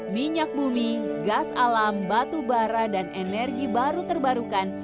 minyak bumi gas alam batu bara dan energi baru terbarukan